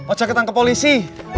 ojak ketangkep polisi